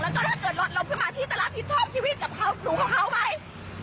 แล้วก็ถ้าเกิดรถลงขึ้นมาพี่จะรับผิดชอบชีวิตจากหนูของเขาไหม